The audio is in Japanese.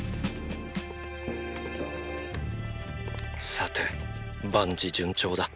さて万事順調だ。